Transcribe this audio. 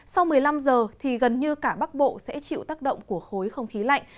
sau một mươi năm giờ thì gần như cả bắc bộ sẽ chịu tác động của khối không khí lạnh